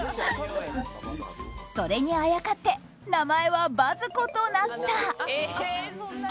それにあやかって名前はバズ子となった。